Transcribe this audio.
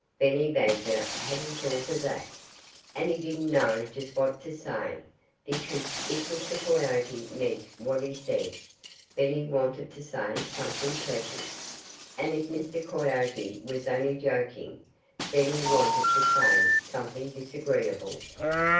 Benny Badger hadn't thought of that. And he didn't know just what to say, because if Mr. Coyote meant what he said, Benny wanted to say something pleasant; and if Mr. Coyote was only joking, Benny wanted to say something disagreeable.